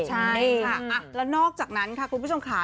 ใช่ค่ะแล้วนอกจากนั้นค่ะคุณผู้ชมค่ะ